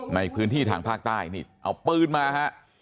ในพื้นที่ทางภาคใต้นี่เอาปืนมาฮะ